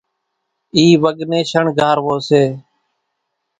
اِي وڳ نين شڻگھاروو سي،